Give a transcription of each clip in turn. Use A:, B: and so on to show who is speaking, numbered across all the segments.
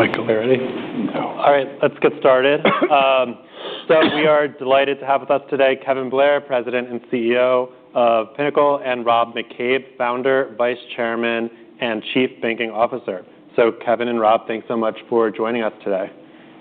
A: Am I clear already?
B: No.
A: All right, let's get started. We are delighted to have with us today Kevin Blair, President and CEO of Pinnacle, and Rob McCabe, Founder, Vice Chairman, and Chief Banking Officer. Kevin and Rob, thanks so much for joining us today.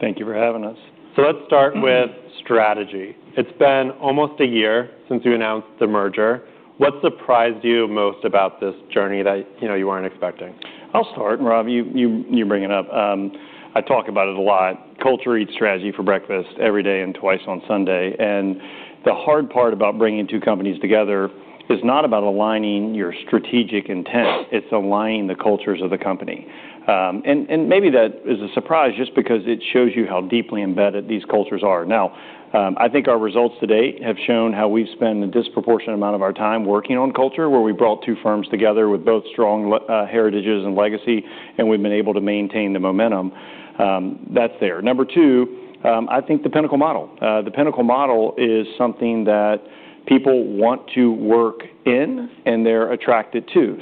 B: Thank you for having us.
A: Let's start with strategy. It's been almost a year since you announced the merger. What surprised you most about this journey that you weren't expecting?
B: I'll start, Rob, you bring it up. I talk about it a lot. Culture eats strategy for breakfast every day and twice on Sunday. The hard part about bringing two companies together is not about aligning your strategic intent. It's aligning the cultures of the company. Maybe that is a surprise just because it shows you how deeply embedded these cultures are. I think our results to date have shown how we've spent a disproportionate amount of our time working on culture, where we brought two firms together with both strong heritages and legacy, and we've been able to maintain the momentum. That's there. Number two, I think the Pinnacle model. The Pinnacle model is something that people want to work in and they're attracted to.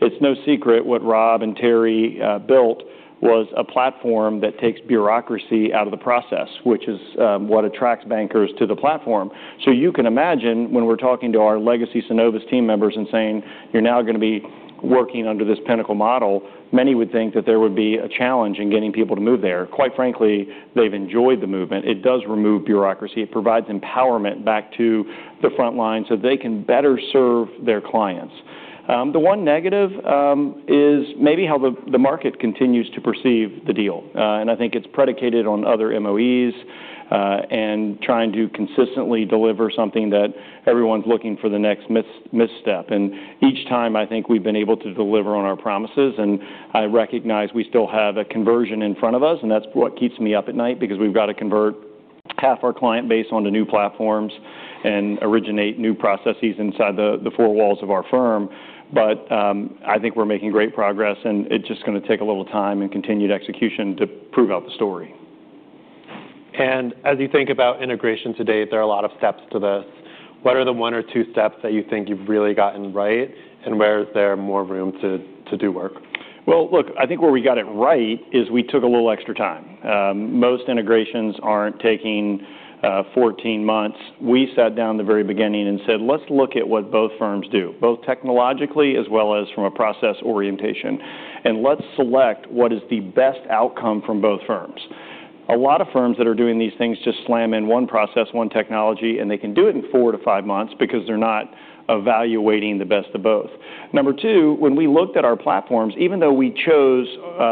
B: It's no secret what Rob and Terry built was a platform that takes bureaucracy out of the process, which is what attracts bankers to the platform. You can imagine when we're talking to our legacy Synovus team members and saying, "You're now going to be working under this Pinnacle model," many would think that there would be a challenge in getting people to move there. Quite frankly, they've enjoyed the movement. It does remove bureaucracy. It provides empowerment back to the front lines so they can better serve their clients. The one negative is maybe how the market continues to perceive the deal. I think it's predicated on other MOEs, trying to consistently deliver something that everyone's looking for the next misstep. Each time, I think we've been able to deliver on our promises. I recognize we still have a conversion in front of us, and that's what keeps me up at night because we've got to convert half our client base onto new platforms and originate new processes inside the four walls of our firm. I think we're making great progress, it's just going to take a little time and continued execution to prove out the story.
A: As you think about integration to date, there are a lot of steps to this. What are the one or two steps that you think you've really gotten right, and where is there more room to do work?
B: I think where we got it right is we took a little extra time. Most integrations aren't taking 14 months. We sat down at the very beginning and said, "Let's look at what both firms do, both technologically as well as from a process orientation, and let's select what is the best outcome from both firms." A lot of firms that are doing these things just slam in one process, one technology, and they can do it in four to five months because they're not evaluating the best of both. Number two, when we looked at our platforms, even though we chose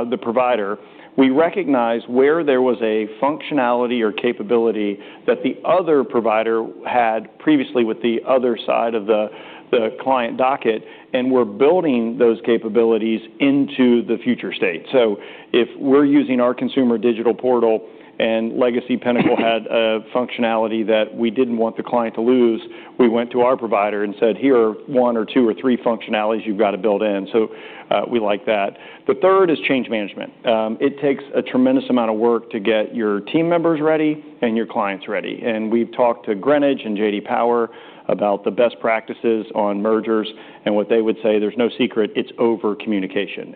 B: the provider, we recognized where there was a functionality or capability that the other provider had previously with the other side of the client docket, and we're building those capabilities into the future state. If we're using our consumer digital portal and legacy Pinnacle had a functionality that we didn't want the client to lose, we went to our provider and said, "Here are one or two or three functionalities you've got to build in." We like that. The third is change management. It takes a tremendous amount of work to get your team members ready and your clients ready. We've talked to Greenwich and J.D. Power about the best practices on mergers and what they would say. There's no secret, it's overcommunication.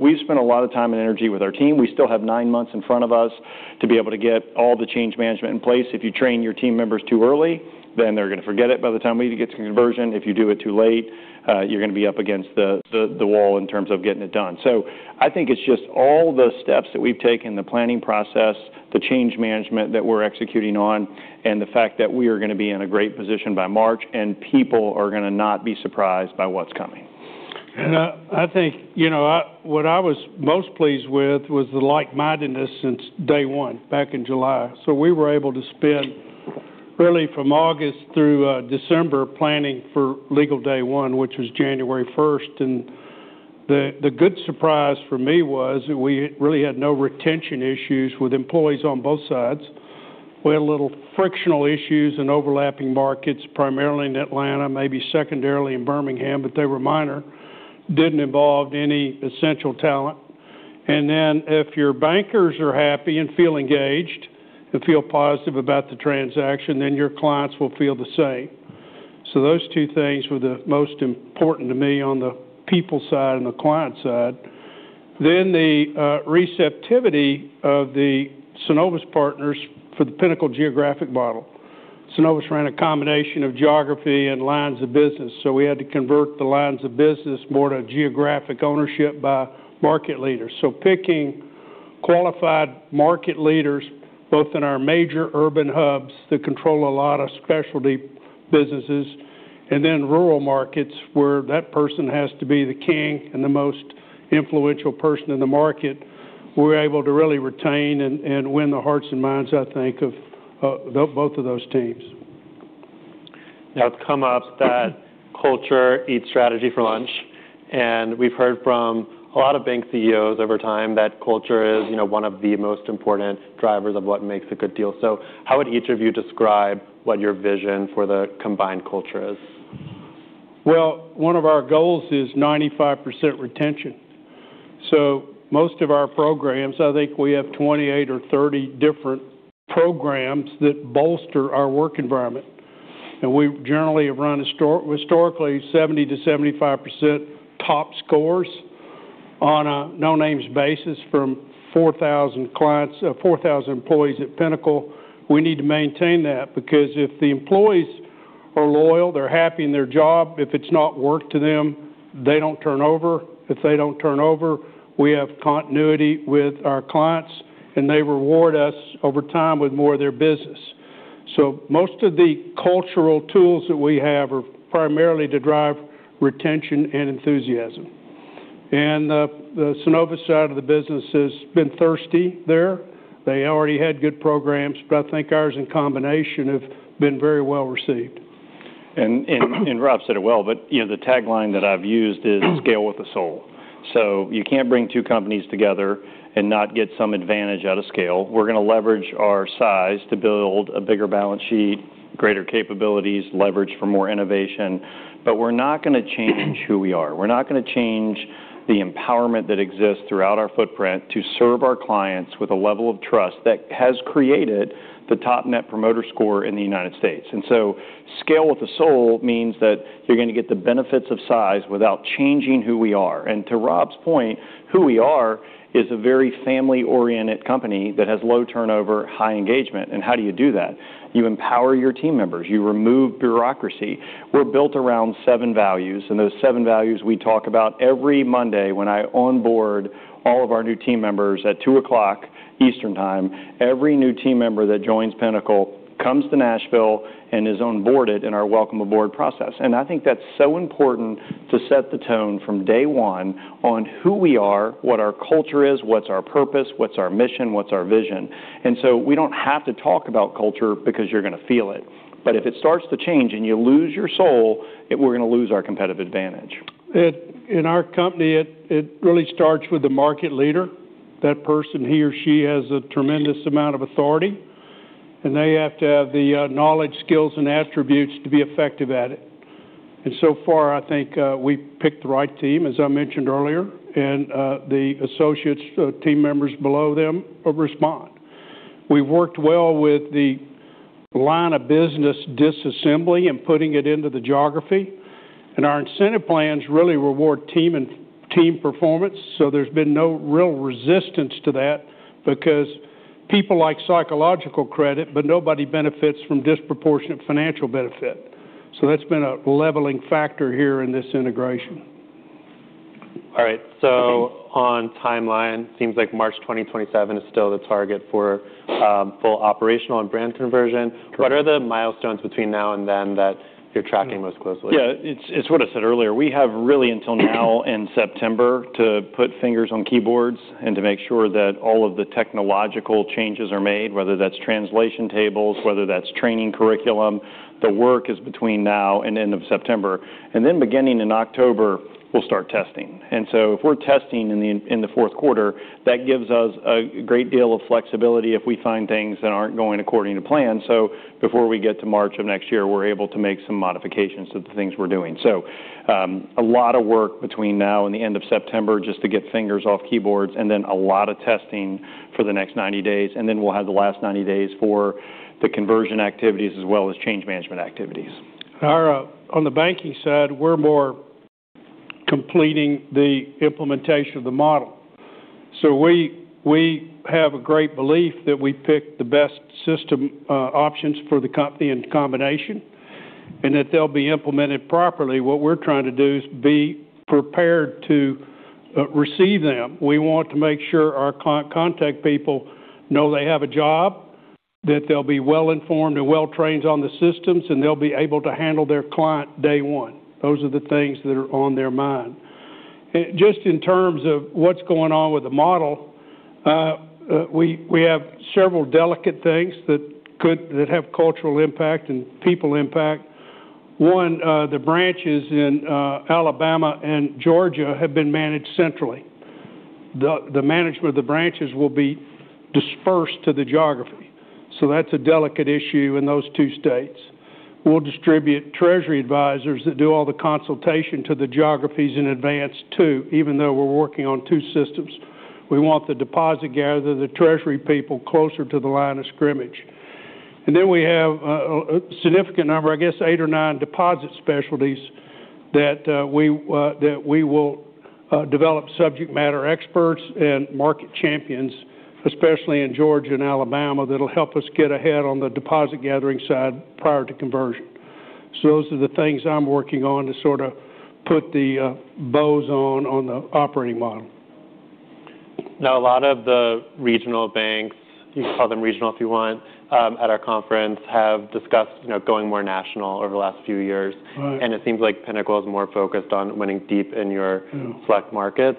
B: We've spent a lot of time and energy with our team. We still have nine months in front of us to be able to get all the change management in place. If you train your team members too early, they're going to forget it by the time we get to conversion. If you do it too late, you're going to be up against the wall in terms of getting it done. I think it's just all the steps that we've taken, the planning process, the change management that we're executing on, the fact that we are going to be in a great position by March, and people are going to not be surprised by what's coming.
C: I think what I was most pleased with was the like-mindedness since day one, back in July. We were able to spend really from August through December planning for legal day one, which was January 1st. The good surprise for me was that we really had no retention issues with employees on both sides. We had little frictional issues in overlapping markets, primarily in Atlanta, maybe secondarily in Birmingham, but they were minor. Didn't involve any essential talent. If your bankers are happy and feel engaged and feel positive about the transaction, your clients will feel the same. Those two things were the most important to me on the people side and the client side. The receptivity of the Synovus partners for the Pinnacle geographic model. Synovus ran a combination of geography and lines of business, we had to convert the lines of business more to geographic ownership by market leaders. Picking qualified market leaders both in our major urban hubs that control a lot of specialty businesses, and then rural markets where that person has to be the king and the most influential person in the market, we were able to really retain and win the hearts and minds, I think, of both of those teams
A: It's come up that culture eats strategy for lunch, and we've heard from a lot of bank CEOs over time that culture is one of the most important drivers of what makes a good deal. How would each of you describe what your vision for the combined culture is?
C: One of our goals is 95% retention. Most of our programs, I think we have 28 or 30 different programs that bolster our work environment. We generally have run historically 70%-75% top scores on a no-names basis from 4,000 employees at Pinnacle. We need to maintain that because if the employees are loyal, they're happy in their job. If it's not work to them, they don't turn over. If they don't turn over, we have continuity with our clients, and they reward us over time with more of their business. Most of the cultural tools that we have are primarily to drive retention and enthusiasm. The Synovus side of the business has been thirsty there. They already had good programs, but I think ours in combination have been very well received.
B: Rob said it well, but the tagline that I've used is scale with a soul. You can't bring two companies together and not get some advantage out of scale. We're going to leverage our size to build a bigger balance sheet, greater capabilities, leverage for more innovation, but we're not going to change who we are. We're not going to change the empowerment that exists throughout our footprint to serve our clients with a level of trust that has created the top Net Promoter Score in the U.S. Scale with a soul means that you're going to get the benefits of size without changing who we are. To Rob's point, who we are is a very family-oriented company that has low turnover, high engagement. How do you do that? You empower your team members. You remove bureaucracy. We're built around seven values. Those seven values we talk about every Monday when I onboard all of our new team members at 2:00 Eastern Time. Every new team member that joins Pinnacle comes to Nashville and is onboarded in our welcome aboard process. I think that's so important to set the tone from day one on who we are, what our culture is, what's our purpose, what's our mission, what's our vision. We don't have to talk about culture because you're going to feel it. If it starts to change and you lose your soul, we're going to lose our competitive advantage.
C: In our company, it really starts with the market leader. That person, he or she has a tremendous amount of authority, and they have to have the knowledge, skills, and attributes to be effective at it. So far, I think we've picked the right team, as I mentioned earlier, and the associates, team members below them respond. We've worked well with the line of business disassembly and putting it into the geography. Our incentive plans really reward team performance, so there's been no real resistance to that because people like psychological credit, but nobody benefits from disproportionate financial benefit. That's been a levelling factor here in this integration.
A: All right. On timeline, seems like March 2027 is still the target for full operational and brand conversion.
B: Correct.
A: What are the milestones between now and then that you're tracking most closely?
B: Yeah. It's what I said earlier. We have really until now and September to put fingers on keyboards and to make sure that all of the technological changes are made, whether that's translation tables, whether that's training curriculum. The work is between now and end of September. Beginning in October, we'll start testing. If we're testing in the fourth quarter, that gives us a great deal of flexibility if we find things that aren't going according to plan. Before we get to March of next year, we're able to make some modifications to the things we're doing. A lot of work between now and the end of September just to get fingers off keyboards and then a lot of testing for the next 90 days. We'll have the last 90 days for the conversion activities as well as change management activities.
C: On the banking side, we're more completing the implementation of the model. We have a great belief that we picked the best system options for the company in combination and that they'll be implemented properly. What we're trying to do is be prepared to receive them. We want to make sure our contact people know they have a job, that they'll be well-informed and well-trained on the systems, and they'll be able to handle their client day one. Those are the things that are on their mind. Just in terms of what's going on with the model, we have several delicate things that have cultural impact and people impact. One, the branches in Alabama and Georgia have been managed centrally. The management of the branches will be dispersed to the geography. That's a delicate issue in those two states. We'll distribute treasury advisors that do all the consultation to the geographies in advance, too, even though we're working on two systems. We want the deposit gatherer, the treasury people closer to the line of scrimmage. We have a significant number, I guess eight or nine deposit specialties that we will develop subject matter experts and market champions, especially in Georgia and Alabama, that'll help us get ahead on the deposit gathering side prior to conversion. Those are the things I'm working on to sort of put the bows on the operating model.
A: A lot of the regional banks, you can call them regional if you want, at our conference have discussed going more national over the last few years.
C: Right.
A: It seems like Pinnacle is more focused on winning deep in your select markets.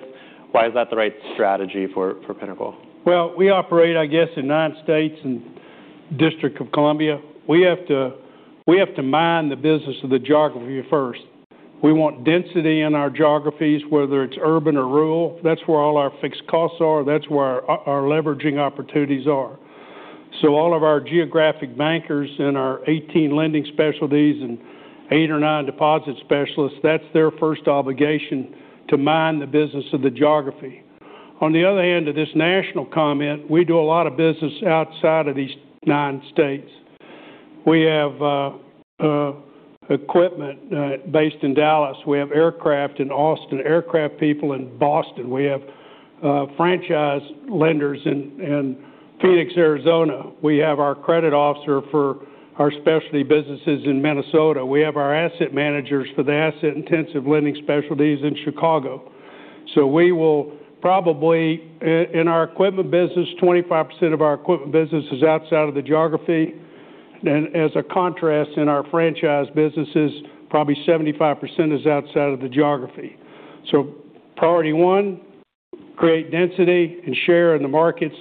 A: Why is that the right strategy for Pinnacle?
C: Well, we operate, I guess, in nine states and District of Columbia. We have to mind the business of the geography first. We want density in our geographies, whether it's urban or rural. That's where all our fixed costs are. That's where our leveraging opportunities are. All of our geographic bankers in our 18 lending specialties and eight or nine deposit specialists, that's their first obligation to mind the business of the geography. On the other end of this national comment, we do a lot of business outside of these nine states. We have equipment based in Dallas. We have aircraft in Austin, aircraft people in Boston. We have franchise lenders in Phoenix, Arizona. We have our credit officer for our specialty businesses in Minnesota. We have our asset managers for the asset intensive lending specialties in Chicago. We will probably, in our equipment business, 25% of our equipment business is outside of the geography. As a contrast in our franchise businesses, probably 75% is outside of the geography. Priority one, create density and share in the markets.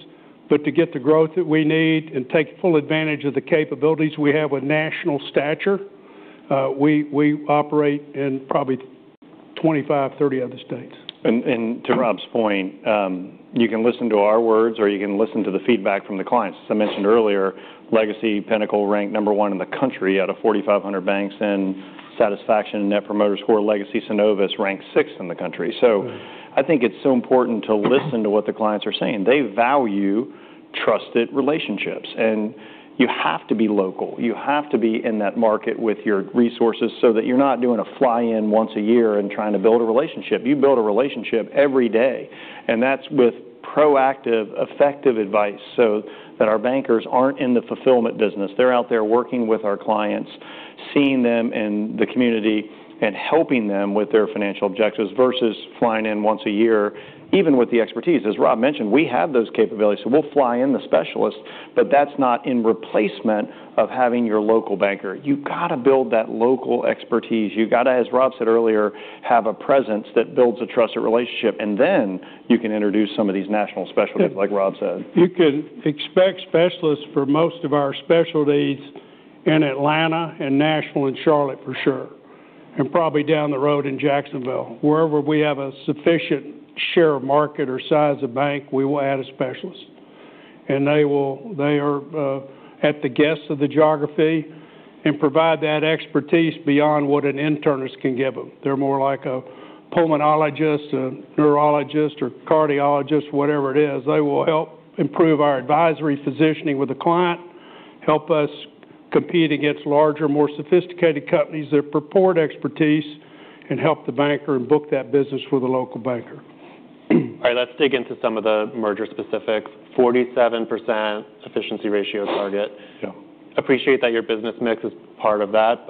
C: But to get the growth that we need and take full advantage of the capabilities we have with national stature, we operate in probably 25, 30 other states.
B: To Rob's point, you can listen to our words or you can listen to the feedback from the clients. As I mentioned earlier, Legacy Pinnacle ranked number one in the country out of 4,500 banks in satisfaction. Net Promoter Score, Legacy Synovus ranked sixth in the country. I think it's so important to listen to what the clients are saying. They value trusted relationships. You have to be local. You have to be in that market with your resources so that you're not doing a fly-in once a year and trying to build a relationship. You build a relationship every day. That's with proactive, effective advice so that our bankers aren't in the fulfillment business. They're out there working with our clients, seeing them in the community, and helping them with their financial objectives versus flying in once a year. Even with the expertise, as Rob mentioned, we have those capabilities, so we'll fly in the specialists, but that's not in replacement of having your local banker. You got to build that local expertise. You got to, as Rob said earlier, have a presence that builds a trusted relationship, then you can introduce some of these national specialties like Rob said.
C: You can expect specialists for most of our specialties in Atlanta and Nashville and Charlotte for sure, and probably down the road in Jacksonville. Wherever we have a sufficient share of market or size of bank, we will add a specialist. They are at the guests of the geography and provide that expertise beyond what an internist can give them. They're more like a pulmonologist, a neurologist, or cardiologist, whatever it is. They will help improve our advisory positioning with a client, help us compete against larger, more sophisticated companies that purport expertise, and help the banker and book that business with a local banker.
A: All right. Let's dig into some of the merger specifics. 47% efficiency ratio target.
B: Yeah.
A: Appreciate that your business mix is part of that,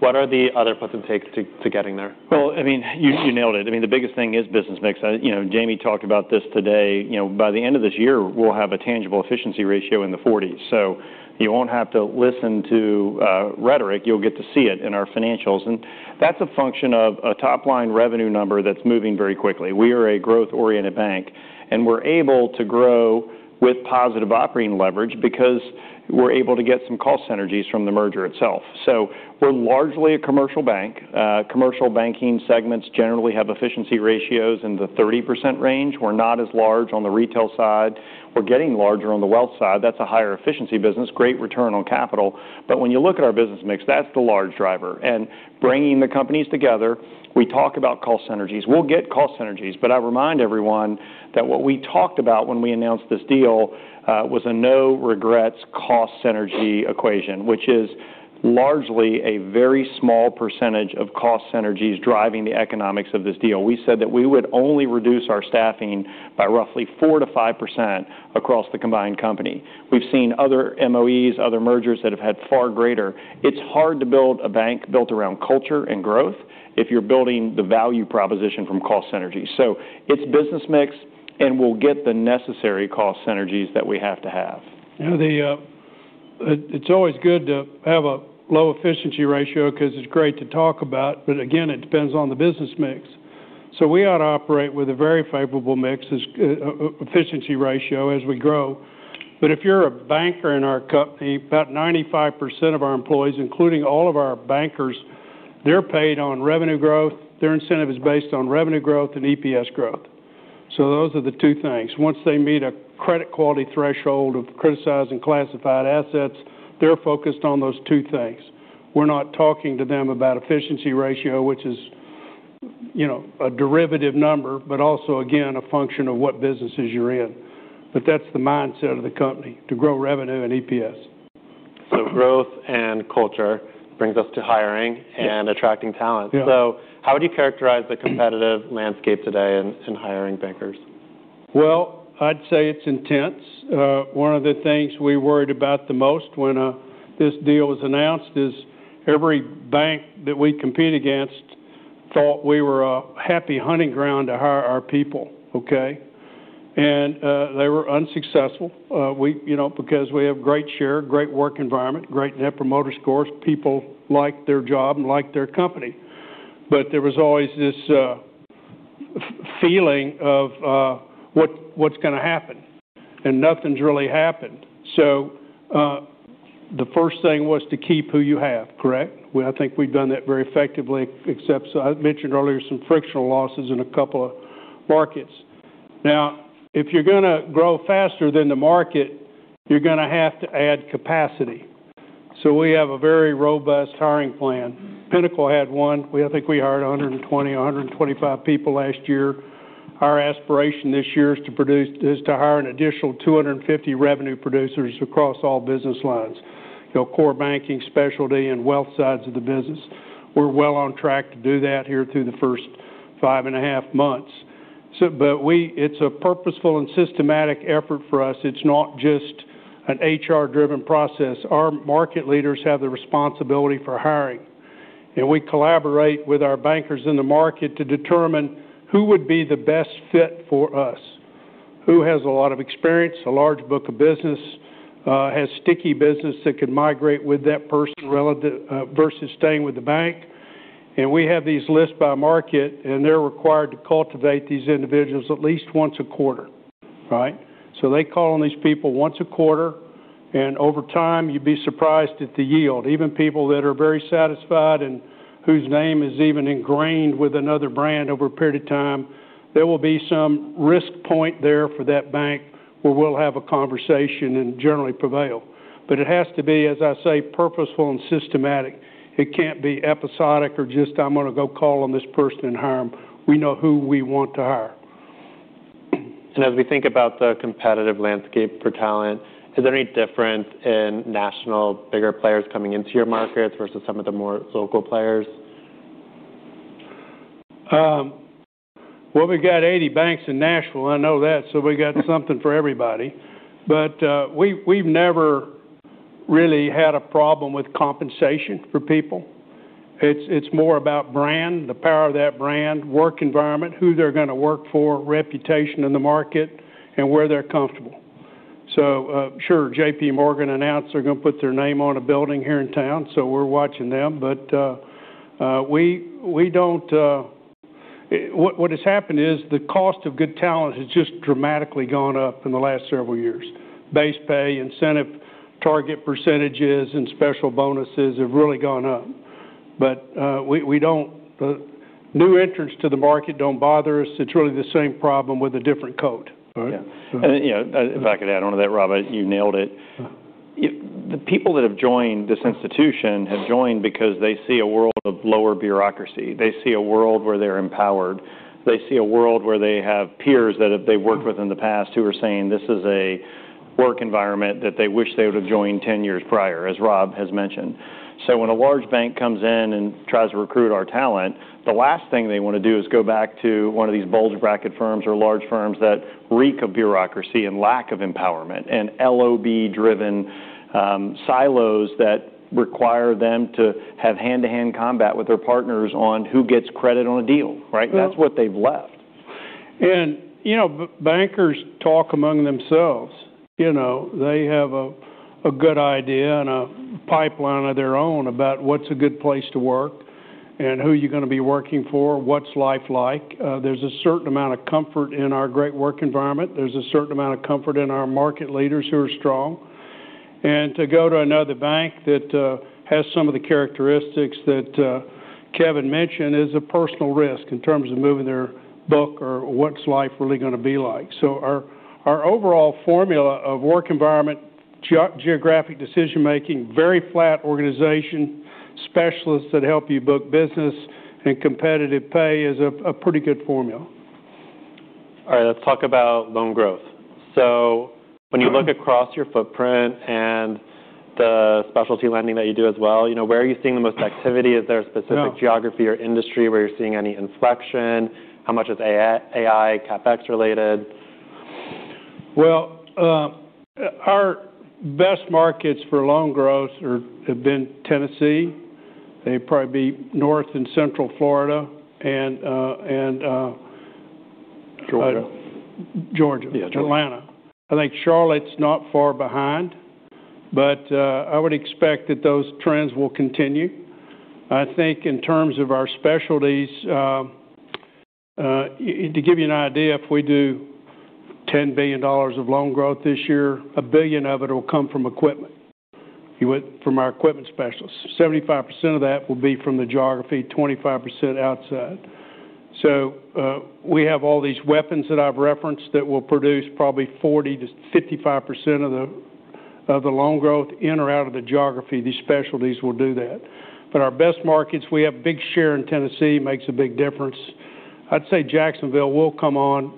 A: what are the other puts and takes to getting there?
B: Well, you nailed it. The biggest thing is business mix. Jamie talked about this today. By the end of this year, we'll have a tangible efficiency ratio in the 40s. You won't have to listen to rhetoric. You'll get to see it in our financials. That's a function of a top-line revenue number that's moving very quickly. We are a growth-oriented bank, and we're able to grow with positive operating leverage because we're able to get some cost synergies from the merger itself. We're largely a commercial bank. Commercial banking segments generally have efficiency ratios in the 30% range. We're not as large on the retail side. We're getting larger on the wealth side. That's a higher efficiency business, great return on capital. When you look at our business mix, that's the large driver. Bringing the companies together, we talk about cost synergies. We'll get cost synergies. I remind everyone that what we talked about when we announced this deal was a no-regrets cost synergy equation, which is largely a very small percentage of cost synergies driving the economics of this deal. We said that we would only reduce our staffing by roughly 4% to 5% across the combined company. We've seen other MOEs, other mergers that have had far greater. It's hard to build a bank built around culture and growth if you're building the value proposition from cost synergies. It's business mix, and we'll get the necessary cost synergies that we have to have.
C: It's always good to have a low efficiency ratio because it's great to talk about. Again, it depends on the business mix. We ought to operate with a very favorable efficiency ratio as we grow. If you're a banker in our company, about 95% of our employees, including all of our bankers, they're paid on revenue growth. Their incentive is based on revenue growth and EPS growth. Those are the two things. Once they meet a credit quality threshold of criticizing classified assets, they're focused on those two things. We're not talking to them about efficiency ratio, which is a derivative number, but also, again, a function of what businesses you're in. That's the mindset of the company, to grow revenue and EPS.
A: Growth and culture brings us to hiring and attracting talent.
C: Yeah.
A: How would you characterize the competitive landscape today in hiring bankers?
C: Well, I'd say it's intense. One of the things we worried about the most when this deal was announced is every bank that we compete against thought we were a happy hunting ground to hire our people, okay? They were unsuccessful because we have great share, great work environment, great Net Promoter Scores. People like their job and like their company. There was always this feeling of what's going to happen, and nothing's really happened. The first thing was to keep who you have. Correct? Well, I think we've done that very effectively, except as I mentioned earlier, some frictional losses in a couple of markets. Now, if you're going to grow faster than the market, you're going to have to add capacity. We have a very robust hiring plan. Pinnacle had one. I think we hired 120, 125 people last year. Our aspiration this year is to hire an additional 250 revenue producers across all business lines, Core banking specialty and wealth sides of the business. We're well on track to do that here through the first five and a half months. It's a purposeful and systematic effort for us. It's not just an HR-driven process. Our market leaders have the responsibility for hiring. We collaborate with our bankers in the market to determine who would be the best fit for us, who has a lot of experience, a large book of business, has sticky business that can migrate with that person versus staying with the bank. We have these lists by market, and they're required to cultivate these individuals at least once a quarter. Right? They call on these people once a quarter, and over time, you'd be surprised at the yield. Even people that are very satisfied and whose name is even ingrained with another brand over a period of time, there will be some risk point there for that bank where we'll have a conversation and generally prevail. It has to be, as I say, purposeful and systematic. It can't be episodic or just, I'm going to go call on this person and hire them. We know who we want to hire.
A: As we think about the competitive landscape for talent, is there any difference in national bigger players coming into your markets versus some of the more local players?
C: We got 80 banks in Nashville, I know that, so we got something for everybody. We've never really had a problem with compensation for people. It's more about brand, the power of that brand, work environment, who they're going to work for, reputation in the market, and where they're comfortable. Sure, JPMorgan announced they're going to put their name on a building here in town, so we're watching them, but what has happened is the cost of good talent has just dramatically gone up in the last several years. Base pay, incentive target percentages, and special bonuses have really gone up. New entrants to the market don't bother us. It's really the same problem with a different coat. Right?
B: If I could add onto that, Rob, you nailed it. The people that have joined this institution have joined because they see a world of lower bureaucracy. They see a world where they're empowered. They see a world where they have peers that they've worked with in the past who are saying this is a work environment that they wish they would've joined 10 years prior, as Rob has mentioned. When a large bank comes in and tries to recruit our talent, the last thing they want to do is go back to one of these bulge bracket firms or large firms that reek of bureaucracy and lack of empowerment and LOB-driven silos that require them to have hand-to-hand combat with their partners on who gets credit on a deal, right? That's what they've left.
C: Bankers talk among themselves. They have a good idea and a pipeline of their own about what's a good place to work and who you're going to be working for, what's life like. There's a certain amount of comfort in our great work environment. There's a certain amount of comfort in our market leaders who are strong. To go to another bank that has some of the characteristics that Kevin mentioned is a personal risk in terms of moving their book or what's life really going to be like. Our overall formula of work environment, geographic decision making, very flat organization, specialists that help you book business, and competitive pay is a pretty good formula.
A: All right. Let's talk about loan growth. When you look across your footprint and the specialty lending that you do as well, where are you seeing the most activity? Is there a specific geography or industry where you're seeing any inflection? How much is AI CapEx related?
C: Well, our best markets for loan growth have been Tennessee, they'd probably be North and Central Florida.
B: Georgia
C: Georgia.
B: Yeah, Georgia.
C: Atlanta. I think Charlotte's not far behind, I would expect that those trends will continue. I think in terms of our specialties, to give you an idea, if we do $10 billion of loan growth this year, $1 billion of it will come from our equipment specialists. 75% of that will be from the geography, 25% outside. We have all these weapons that I've referenced that will produce probably 40%-55% of the loan growth in or out of the geography. These specialties will do that. Our best markets, we have a big share in Tennessee, makes a big difference. I'd say Jacksonville will come on.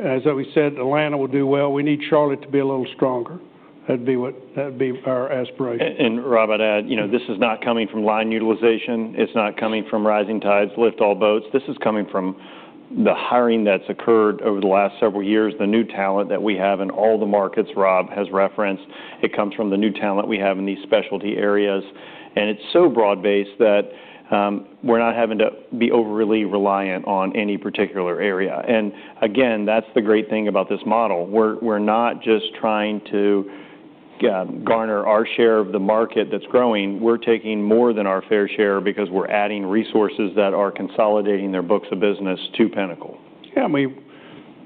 C: As we said, Atlanta will do well. We need Charlotte to be a little stronger. That'd be our aspiration.
B: Rob, I'd add, this is not coming from line utilization. It's not coming from rising tides lift all boats. This is coming from the hiring that's occurred over the last several years, the new talent that we have in all the markets Rob has referenced. It comes from the new talent we have in these specialty areas. It's so broad-based that we're not having to be overly reliant on any particular area. Again, that's the great thing about this model. We're not just trying to garner our share of the market that's growing. We're taking more than our fair share because we're adding resources that are consolidating their books of business to Pinnacle.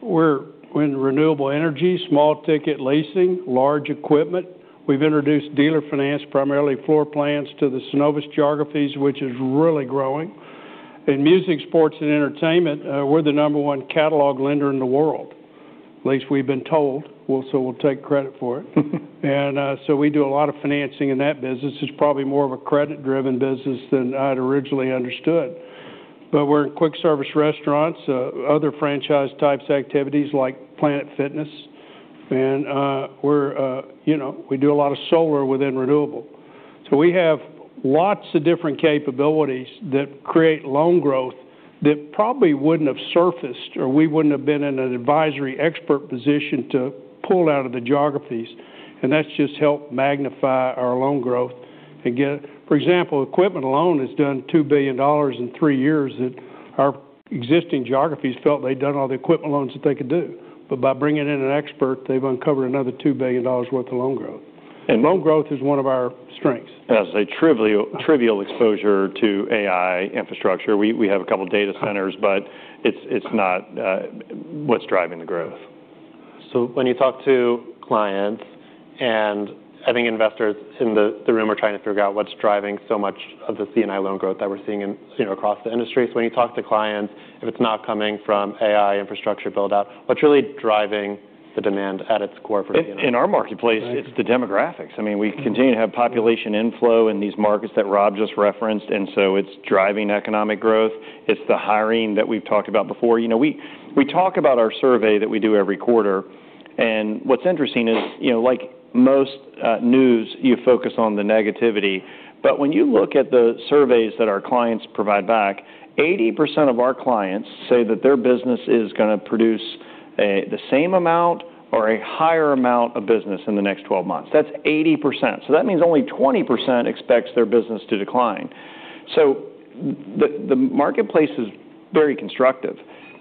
C: We're in renewable energy, small ticket leasing, large equipment. We've introduced dealer finance, primarily floor plans to the Synovus geographies, which is really growing. In music, sports, and entertainment, we're the number one catalog lender in the world. At least we've been told, so we'll take credit for it. We do a lot of financing in that business. It's probably more of a credit-driven business than I'd originally understood. We're in quick service restaurants, other franchise-type activities like Planet Fitness, and we do a lot of solar within renewable. We have lots of different capabilities that create loan growth that probably wouldn't have surfaced, or we wouldn't have been in an advisory expert position to pull out of the geographies. That's just helped magnify our loan growth. For example, equipment alone has done $2 billion in three years that our existing geographies felt they'd done all the equipment loans that they could do. By bringing in an expert, they've uncovered another $2 billion worth of loan growth. Loan growth is one of our strengths.
B: As a trivial exposure to AI infrastructure, we have a couple data centers. It's not what's driving the growth.
A: When you talk to clients, and I think investors in the room are trying to figure out what's driving so much of the C&I loan growth that we're seeing across the industry. When you talk to clients, if it's not coming from AI infrastructure build-out, what's really driving the demand at its core?
B: In our marketplace, it's the demographics. We continue to have population inflow in these markets that Rob just referenced, it's driving economic growth. It's the hiring that we've talked about before. We talk about our survey that we do every quarter, what's interesting is, like most news, you focus on the negativity. When you look at the surveys that our clients provide back, 80% of our clients say that their business is going to produce the same amount or a higher amount of business in the next 12 months. That's 80%. That means only 20% expects their business to decline. The marketplace is very constructive.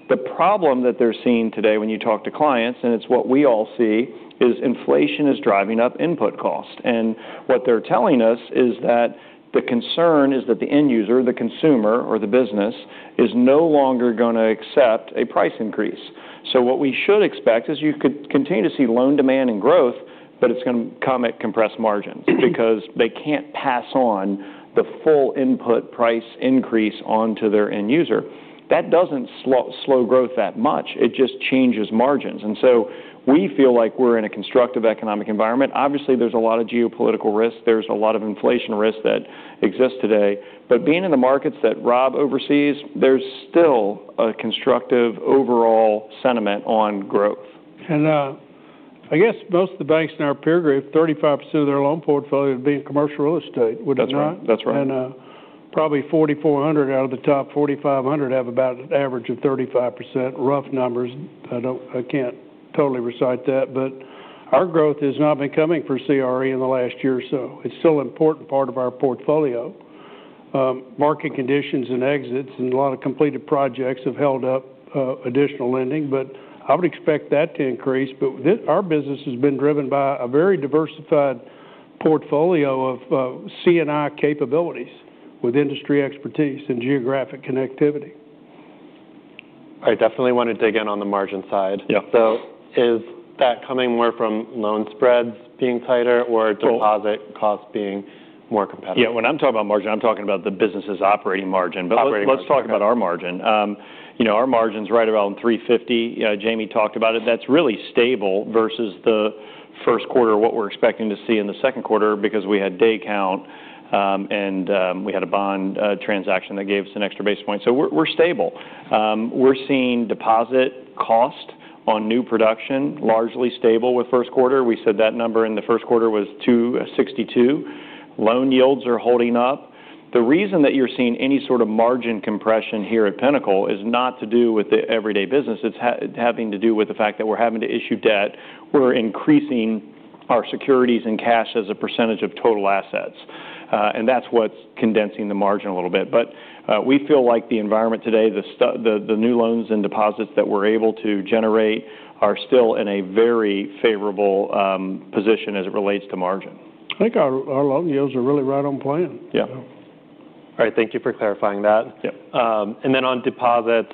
B: The problem that they're seeing today when you talk to clients, and it's what we all see, is inflation is driving up input cost. What they're telling us is that the concern is that the end user, the consumer, or the business, is no longer going to accept a price increase. What we should expect is you could continue to see loan demand and growth, but it's going to come at compressed margins because they can't pass on the full input price increase onto their end user. That doesn't slow growth that much. It just changes margins. We feel like we're in a constructive economic environment. Obviously, there's a lot of geopolitical risk. There's a lot of inflation risk that exists today. Being in the markets that Rob oversees, there's still a constructive overall sentiment on growth.
C: I guess most of the banks in our peer group, 35% of their loan portfolio would be in commercial real estate, would it not?
B: That's right.
C: Probably 4,400 out of the top 4,500 have about an average of 35%, rough numbers. I can't totally recite that. Our growth has not been coming for CRE in the last year or so. It's still an important part of our portfolio. Market conditions and exits and a lot of completed projects have held up additional lending, but I would expect that to increase. Our business has been driven by a very diversified portfolio of C&I capabilities with industry expertise and geographic connectivity.
A: I definitely want to dig in on the margin side.
B: Yeah.
A: Is that coming more from loan spreads being tighter or deposit costs being more competitive?
B: When I'm talking about margin, I'm talking about the business' operating margin. Let's talk about our margin. Our margin's right around 350. Jamie talked about it. That's really stable versus the first quarter, what we're expecting to see in the second quarter because we had day count, and we had a bond transaction that gave us an extra basis point. We're stable. We're seeing deposit cost on new production largely stable with first quarter. We said that number in the first quarter was 262. Loan yields are holding up. The reason that you're seeing any sort of margin compression here at Pinnacle is not to do with the everyday business. It's having to do with the fact that we're having to issue debt. We're increasing our securities and cash as a percentage of total assets. That's what's condensing the margin a little bit. We feel like the environment today, the new loans and deposits that we're able to generate are still in a very favorable position as it relates to margin.
C: I think our loan yields are really right on plan.
B: Yeah.
A: All right. Thank you for clarifying that.
B: Yeah.
A: On deposits,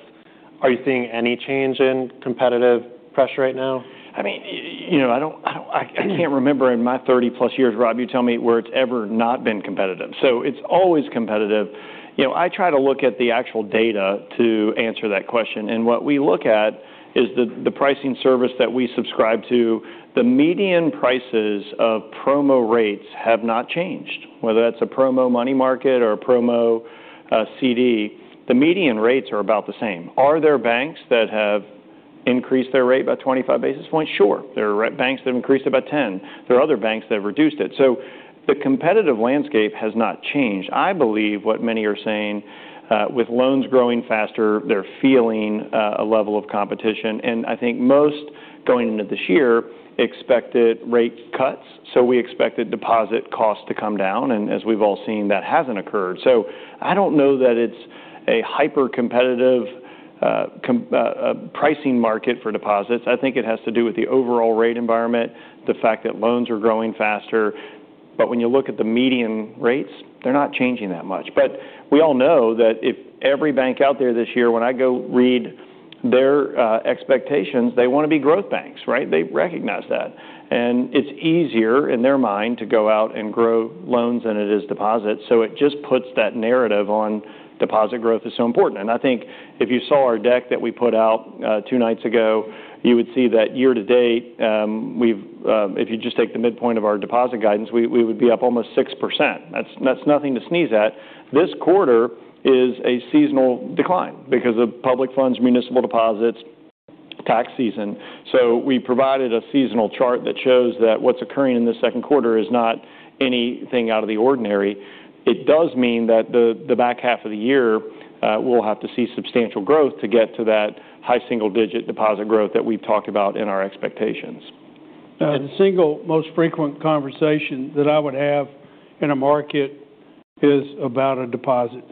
A: are you seeing any change in competitive pressure right now?
B: I can't remember in my 30+ years, Rob, you tell me, where it's ever not been competitive. It's always competitive. I try to look at the actual data to answer that question, and what we look at is the pricing service that we subscribe to. The median prices of promo rates have not changed. Whether that's a promo money market or a promo CD, the median rates are about the same. Are there banks that have increased their rate by 25 basis points? Sure. There are banks that have increased it by 10. There are other banks that have reduced it. The competitive landscape has not changed. I believe what many are saying, with loans growing faster, they're feeling a level of competition. I think most going into this year expected rate cuts. We expected deposit costs to come down, and as we've all seen, that hasn't occurred. I don't know that it's a hyper-competitive pricing market for deposits. I think it has to do with the overall rate environment, the fact that loans are growing faster. When you look at the median rates, they're not changing that much. We all know that if every bank out there this year, when I go read their expectations, they want to be growth banks. They recognize that. It's easier in their mind to go out and grow loans than it is deposits. It just puts that narrative on deposit growth is so important. I think if you saw our deck that we put out two nights ago, you would see that year to date, if you just take the midpoint of our deposit guidance, we would be up almost 6%. That's nothing to sneeze at. This quarter is a seasonal decline because of public funds, municipal deposits, tax season. We provided a seasonal chart that shows that what's occurring in this second quarter is not anything out of the ordinary. It does mean that the back half of the year, we'll have to see substantial growth to get to that high single-digit deposit growth that we've talked about in our expectations.
C: The single most frequent conversation that I would have in a market is about a deposit.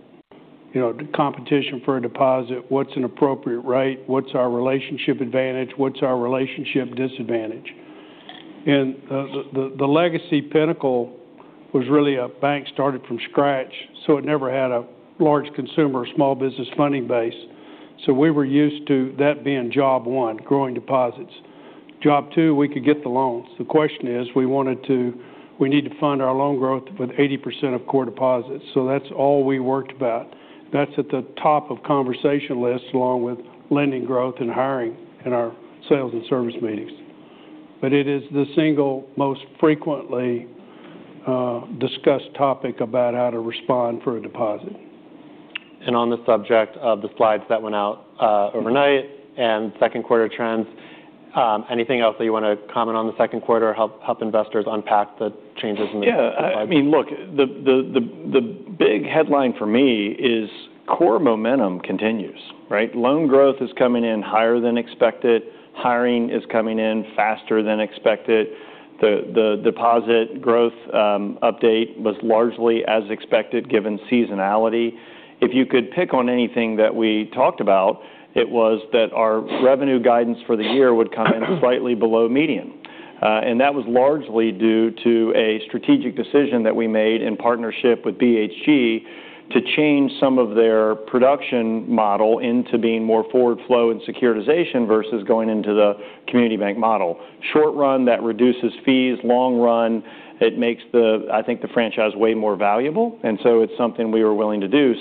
C: The competition for a deposit, what's an appropriate rate? What's our relationship advantage? What's our relationship disadvantage? The legacy Pinnacle was really a bank started from scratch, so it never had a large consumer or small business funding base. We were used to that being job one, growing deposits. Job two, we could get the loans. The question is, we need to fund our loan growth with 80% of core deposits. That's all we worked about. That's at the top of conversation lists, along with lending growth and hiring in our sales and service meetings. It is the single most frequently discussed topic about how to respond for a deposit.
A: On the subject of the slides that went out overnight and second quarter trends, anything else that you want to comment on the second quarter, help investors unpack the changes in the-
B: Look, the big headline for me is core momentum continues. Loan growth is coming in higher than expected. Hiring is coming in faster than expected. The deposit growth update was largely as expected given seasonality. If you could pick on anything that we talked about, it was that our revenue guidance for the year would come in slightly below median. That was largely due to a strategic decision that we made in partnership with BHG to change some of their production model into being more forward flow and securitization versus going into the community bank model. Short run, that reduces fees. Long run, it makes, I think, the franchise way more valuable. It's something we were willing to do.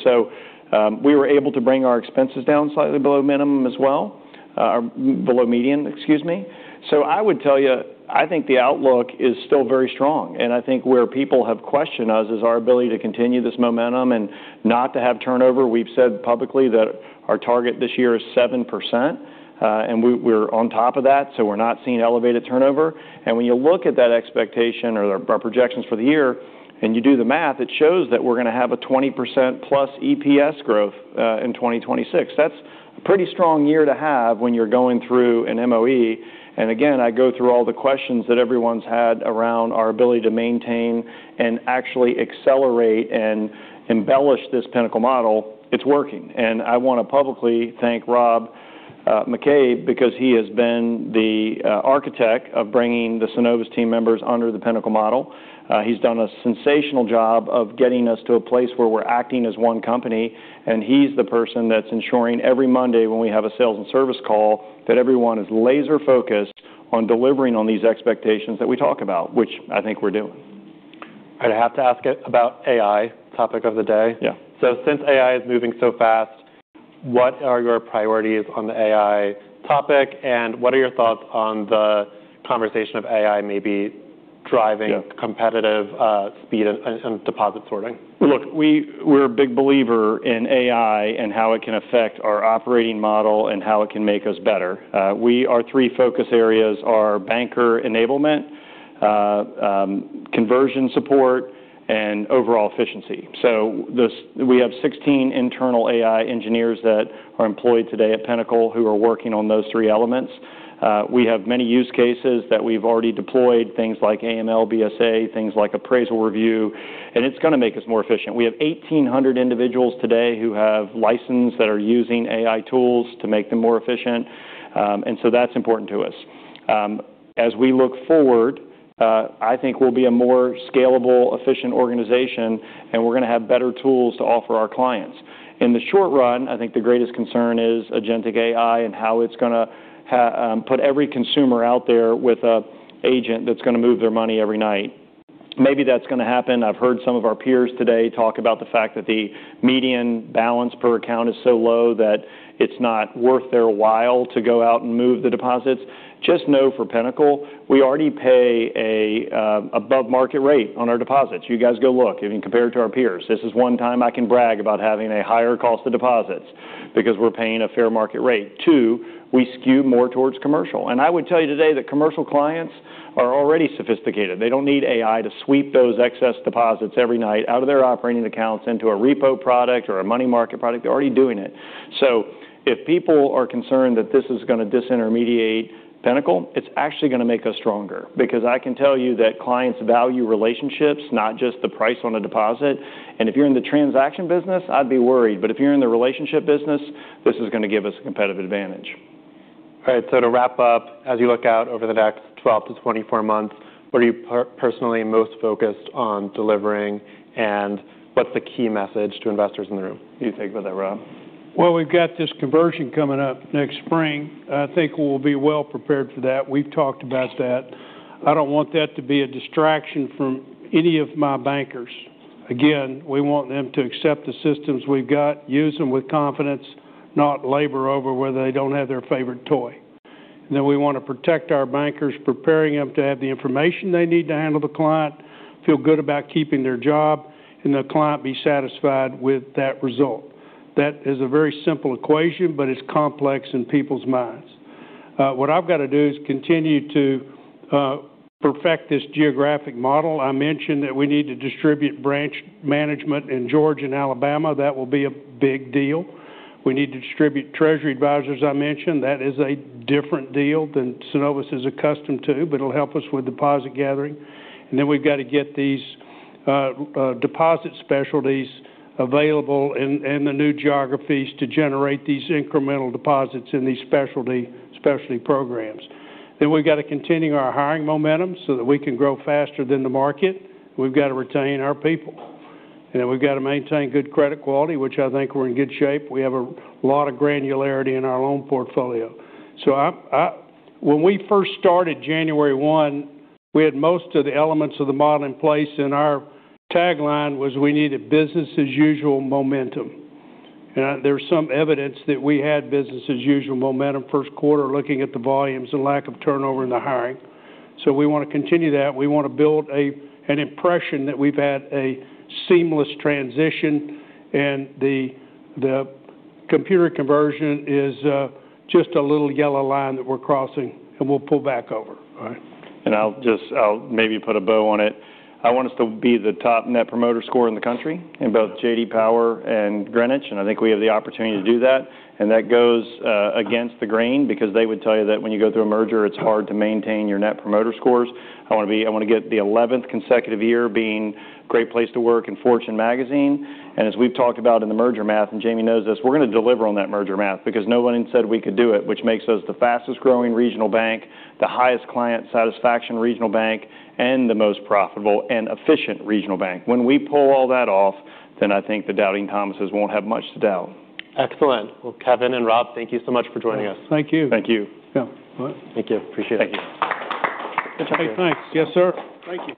B: We were able to bring our expenses down slightly below minimum as well, below median, excuse me. I would tell you, I think the outlook is still very strong. I think where people have questioned us is our ability to continue this momentum and not to have turnover. We've said publicly that our target this year is 7%, and we're on top of that, so we're not seeing elevated turnover. When you look at that expectation or our projections for the year and you do the math, it shows that we're going to have a 20%+ EPS growth in 2026. That's a pretty strong year to have when you're going through an MOE. Again, I go through all the questions that everyone's had around our ability to maintain and actually accelerate and embellish this Pinnacle model. It's working. I want to publicly thank Rob McCabe because he has been the architect of bringing the Synovus team members under the Pinnacle model. He's done a sensational job of getting us to a place where we're acting as one company, and he's the person that's ensuring every Monday when we have a sales and service call that everyone is laser-focused on delivering on these expectations that we talk about, which I think we're doing.
A: I'd have to ask about AI, topic of the day.
B: Yeah.
A: Since AI is moving so fast, what are your priorities on the AI topic, and what are your thoughts on the conversation of AI maybe driving competitive speed and deposit sorting?
B: Look, we're a big believer in AI and how it can affect our operating model and how it can make us better. Our three focus areas are banker enablement, conversion support, and overall efficiency. We have 16 internal AI engineers that are employed today at Pinnacle who are working on those three elements. We have many use cases that we've already deployed, things like AML, BSA, things like appraisal review, and it's going to make us more efficient. We have 1,800 individuals today who have license that are using AI tools to make them more efficient. That's important to us. As we look forward, I think we'll be a more scalable, efficient organization, and we're going to have better tools to offer our clients. In the short run, I think the greatest concern is Agentic AI and how it's going to put every consumer out there with an agent that's going to move their money every night. Maybe that's going to happen. I've heard some of our peers today talk about the fact that the median balance per account is so low that it's not worth their while to go out and move the deposits. Just know for Pinnacle, we already pay above market rate on our deposits. You guys go look. Even compared to our peers, this is one time I can brag about having a higher cost of deposits because we're paying a fair market rate. Two, we skew more towards commercial. I would tell you today that commercial clients are already sophisticated. They don't need AI to sweep those excess deposits every night out of their operating accounts into a repo product or a money market product. They're already doing it. If people are concerned that this is going to disintermediate Pinnacle, it's actually going to make us stronger because I can tell you that clients value relationships, not just the price on a deposit. If you're in the transaction business, I'd be worried. If you're in the relationship business, this is going to give us a competitive advantage.
A: All right. To wrap up, as you look out over the next 12 -24 months, what are you personally most focused on delivering, and what's the key message to investors in the room? What do you think of that, Rob?
C: Well, we've got this conversion coming up next spring. I think we'll be well-prepared for that. We've talked about that. I don't want that to be a distraction from any of my bankers. Again, we want them to accept the systems we've got, use them with confidence, not labor over whether they don't have their favorite toy. Then we want to protect our bankers, preparing them to have the information they need to handle the client, feel good about keeping their job, and the client be satisfied with that result. That is a very simple equation, but it's complex in people's minds. What I've got to do is continue to perfect this geographic model. I mentioned that we need to distribute branch management in Georgia and Alabama. That will be a big deal. We need to distribute treasury advisors, I mentioned. That is a different deal than Synovus is accustomed to, but it'll help us with deposit gathering. We've got to get these deposit specialties available in the new geographies to generate these incremental deposits in these specialty programs. We've got to continue our hiring momentum so that we can grow faster than the market. We've got to retain our people. We've got to maintain good credit quality, which I think we're in good shape. We have a lot of granularity in our loan portfolio. When we first started January 1, we had most of the elements of the model in place, and our tagline was we needed business-as-usual momentum. There was some evidence that we had business-as-usual momentum first quarter looking at the volumes, the lack of turnover, and the hiring. We want to continue that. We want to build an impression that we've had a seamless transition, and the computer conversion is just a little yellow line that we're crossing, and we'll pull back over.
A: All right.
B: I'll maybe put a bow on it. I want us to be the top Net Promoter Score in the country in both J.D. Power and Greenwich, and I think we have the opportunity to do that. That goes against the grain because they would tell you that when you go through a merger, it's hard to maintain your Net Promoter Scores. I want to get the 11th consecutive year being great place to work in Fortune Magazine. As we've talked about in the merger math, and Jamie knows this, we're going to deliver on that merger math because no one said we could do it, which makes us the fastest-growing regional bank, the highest client satisfaction regional bank, and the most profitable and efficient regional bank. When we pull all that off, then I think the doubting Thomases won't have much to doubt.
A: Excellent. Well, Kevin and Rob, thank you so much for joining us.
C: Thank you.
B: Thank you.
A: Yeah. All right. Thank you. Appreciate it.
B: Thank you.
C: Okay, thanks. Yes, sir. Thank you.